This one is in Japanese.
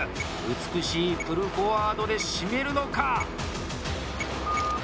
美しいプルフォワードで締めるのか！